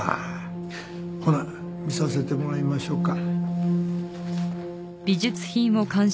ほな見させてもらいましょうか。